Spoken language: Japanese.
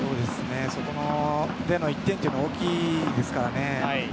そこでの１点は大きいですからね。